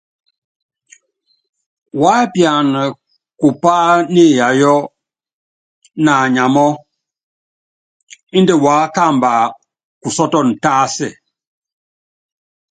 Wuápiana kupá niiyayɔ naanyamɔ́ índɛ wuákamba kusɔ́tɔn tásɛ.